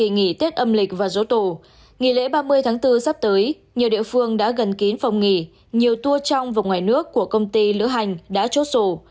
ngày ba mươi tháng bốn sắp tới nhiều địa phương đã gần kín phòng nghỉ nhiều tour trong và ngoài nước của công ty lửa hành đã chốt sổ